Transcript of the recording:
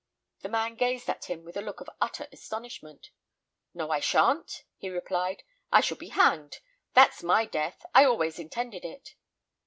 The man gazed at him with a look of utter astonishment. "No, I shan't," he replied. "I shall be hanged. That's my death. I always intended it."